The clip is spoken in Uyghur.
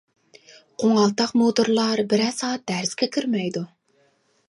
قوڭالتاق مۇدىرلار بىرەر سائەت دەرسكە كىرمەيدۇ.